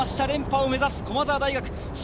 連覇を目指す駒澤大学。